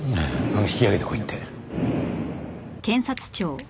引き揚げてこいって。